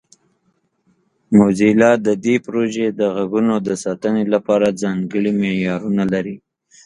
موزیلا د دې پروژې د غږونو د ساتنې لپاره ځانګړي معیارونه لري.